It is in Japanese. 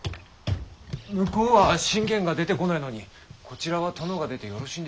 向こうは信玄が出てこないのにこちらは殿が出てよろしいんでしょうか？